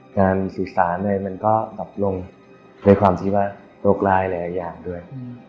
งานสุสานเลยมันก็กลับลงด้วยความที่ว่าโรคร้ายหลายหลายอย่างด้วย